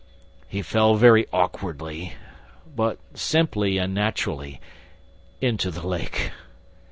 He fell very awkwardly ... but simply and naturally ... into the lake!